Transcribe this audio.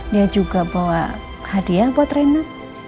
dia juga bawa hadiah buat rena